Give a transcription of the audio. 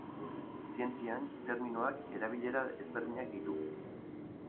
Zientzian, terminoak erabilera ezberdinak ditu.